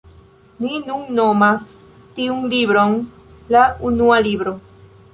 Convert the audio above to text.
Ni nun nomas tiun libron la Unua Libro.